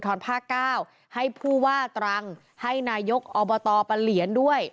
ภาคเก้าให้ผู้ว่าตรังให้นายกอบตปะเหลียนด้วย